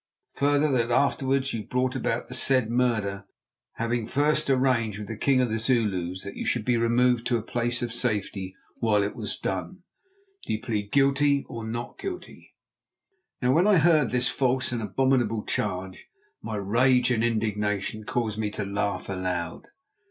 Further, that afterwards you brought about the said murder, having first arranged with the king of the Zulus that you should be removed to a place of safety while it was done. Do you plead Guilty or Not guilty?" Now when I heard this false and abominable charge my rage and indignation caused me to laugh aloud.